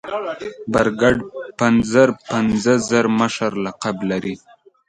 برګډ پنځر پنځه زر مشر لقب لري.